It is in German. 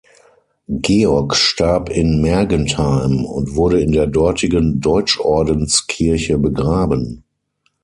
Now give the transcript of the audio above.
Georg starb in Mergentheim und wurde in der dortigen Deutschordenskirche begraben.